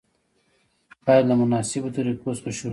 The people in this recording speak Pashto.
باید له مناسبو طریقو څخه شروع شي.